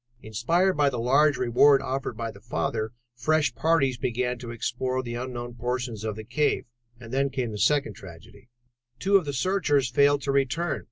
Inspired by the large reward offered by the father, fresh parties began to explore the unknown portions of the cave. And then came the second tragedy. Two of the searchers failed to return.